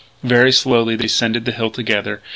Very slowly they descended the hill together.